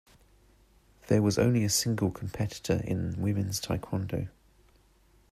There was only a single competitor in women's taekwondo.